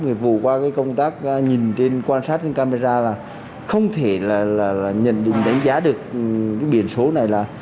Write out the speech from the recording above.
nghiệp vụ qua cái công tác nhìn trên quan sát trên camera là không thể là nhận định đánh giá được cái biển số này là